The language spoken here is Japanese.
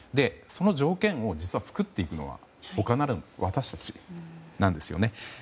その条件を、実は作っていくのは他ならぬ私たちなんですよね。